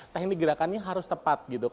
teknik gerakannya harus tepat